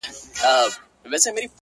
زه يم دا مه وايه چي تا وړي څوك-